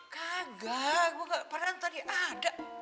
kaga gue gak pernah tadi ada